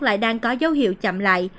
lại đang có dấu hiệu chậm lại